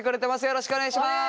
よろしくお願いします。